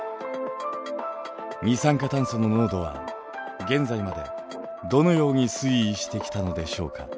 二酸化炭素の濃度は現在までどのように推移してきたのでしょうか。